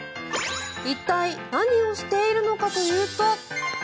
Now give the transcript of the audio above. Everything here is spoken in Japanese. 一体何をしているのかというと。